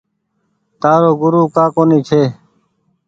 تآرو گورو ڪآ ڪونيٚ ڇي۔